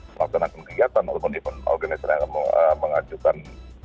melakukan kegiatan ataupun event organisasi yang akan mengajukan